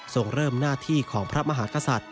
ส่งเริ่มหน้าที่ของพระมหากษัตริย